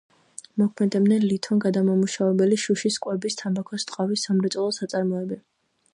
მოქმედებენ ლითონგადამამუშავებელი, შუშის, კვების, თამბაქოს, ტყავის სამრეწველო საწარმოები.